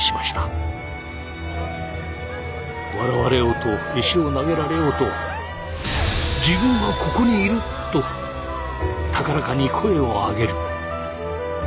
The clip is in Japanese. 笑われようと石を投げられようとと高らかに声を上げる。